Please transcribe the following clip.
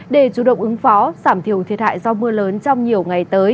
để chủ động ứng phó giảm thiểu thiệt hại do mưa lớn trong nhiều ngày tới